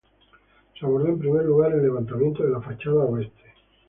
Se abordó en primer lugar el levantamiento de la fachada Oeste.